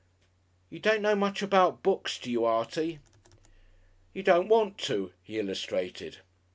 "You don't know much about books, do you, Artie?" "You don't want to." He illustrated.